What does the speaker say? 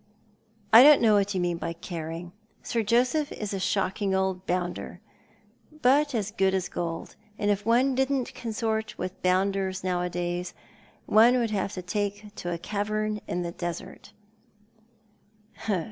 " I don't know what you mean by caring. Sir Joseph is a shocking old bounder, but as good as gold — and if one didn't consort with bounders now^adays, one would have to take to a cavern in the desert."